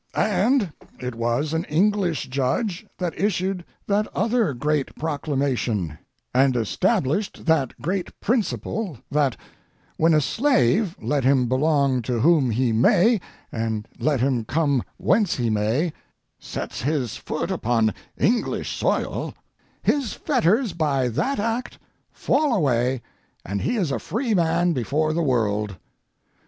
And it was an English judge that issued that other great proclamation, and established that great principle that, when a slave, let him belong to whom he may, and let him come whence he may, sets his foot upon English soil, his fetters by that act fall away and he is a free man before the world.